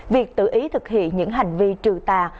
việc tự ý thực hiện những hành vi trừ tà